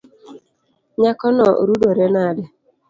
Nyakono rudore nade.